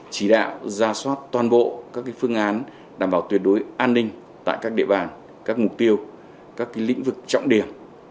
chỉ đạo ra soát toàn bộ các phương án đảm bảo tuyệt đối an ninh tại các địa bàn các mục tiêu các lĩnh vực trọng điểm